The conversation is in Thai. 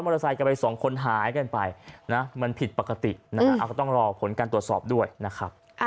รอดูผลละกัน